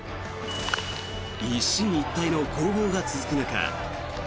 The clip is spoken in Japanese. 一進一退の攻防が続く中。